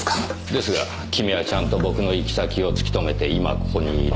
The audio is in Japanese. ですが君はちゃんと僕の行き先を突きとめて今ここにいる。